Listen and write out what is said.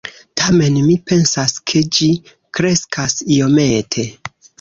Tamen, mi pensas, ke ĝi kreskas iomete